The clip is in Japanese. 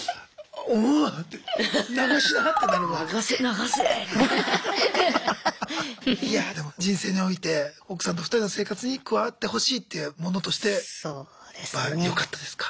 おおいやでも人生において奥さんと２人の生活に加わってほしいというものとしてやっぱよかったですか？